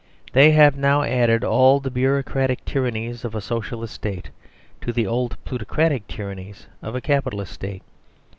They have now added all the bureaucratic tyrannies of a Socialist state to the old plutocratic tyrannies of a Capitalist State.